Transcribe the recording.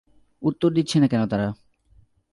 উত্তর দিচ্ছে না কেন তারা?